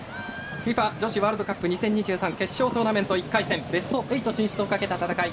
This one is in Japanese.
ＦＩＦＡ女子ワールドカップ２０２３決勝トーナメント、１回戦ベスト８進出をかけた戦い。